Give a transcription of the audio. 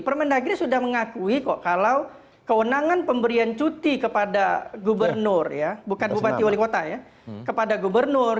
permendagri sudah mengakui kok kalau kewenangan pemberian cuti kepada gubernur ya bukan bupati wali kota ya kepada gubernur